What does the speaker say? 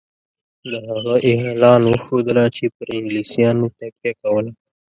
د هغه اعلان وښودله چې پر انګلیسیانو تکیه کوله.